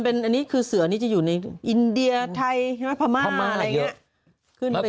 เป็นเพราะเสือนี่จะอยู่ในอินเดียไทยพม่าอะไรแบบนี้